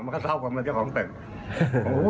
มันก็เศร้ากับเจ้าของเต็ก